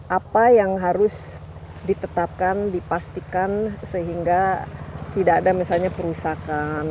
apa yang harus ditetapkan dipastikan sehingga tidak ada misalnya perusakan